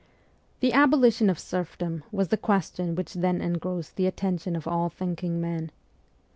The abolition of serfdom was the question which then engrossed the attention of all thinking men.